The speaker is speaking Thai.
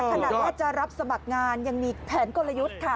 ขนาดว่าจะรับสมัครงานยังมีแผนกลยุทธ์ค่ะ